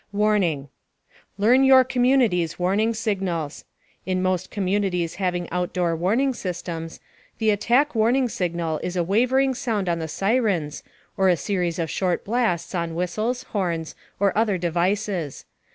WARNING LEARN YOUR COMMUNITY'S WARNING SIGNALS. In most communities having outdoor warning systems, the Attack Warning Signal is a wavering sound on the sirens, or a series of short blasts on whistles, horns, or other devices.